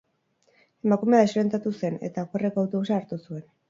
Emakumea desorientatu zen, eta okerreko autobusa hartu zuen.